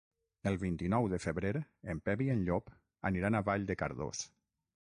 El vint-i-nou de febrer en Pep i en Llop aniran a Vall de Cardós.